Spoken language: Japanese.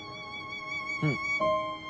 うん。